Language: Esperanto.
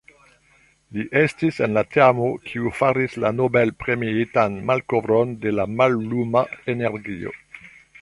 Li estis en la teamo kiu faris la Nobel-premiitan malkovron de la malluma energio.